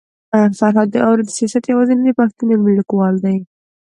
فرهاد داوري د سياست يوازنی پښتون علمي ليکوال دی